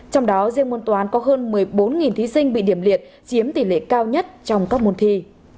trong đó riêng môn toán có hơn một mươi bốn thí sinh bị điểm liệt chiếm tỷ lệ cao nhất trong các môn thi